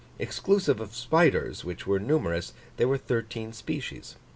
Exclusive of spiders, which were numerous, there were thirteen species.